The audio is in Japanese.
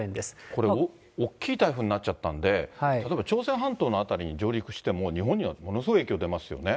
これ、大きい台風になっちゃったんで、例えば朝鮮半島の辺りに上陸しても、日本にはものすごい影響出ますよね。